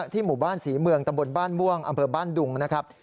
หมู่บ้านศรีเมืองตำบลบ้านม่วงอำเภอบ้านดุงนะครับ